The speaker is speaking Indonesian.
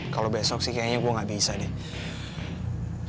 kalau besok sih kayaknya gue gak bisa deh